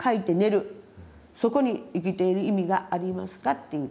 そこに生きている意味がありますかっていうて。